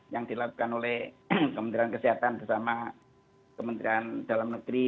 yang dilakukan oleh kementerian kesehatan bersama kementerian dalam negeri